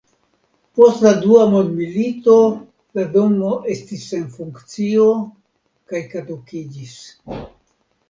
Post la Dua mondmilito la domo estis sen funkcio kaj kadukiĝis.